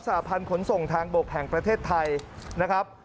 หพันธ์ขนส่งทางบกแห่งประเทศไทยนะครับ